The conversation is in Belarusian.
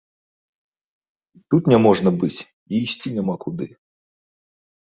І тут няможна быць, і ісці няма куды.